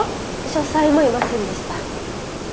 書斎もいませんでした。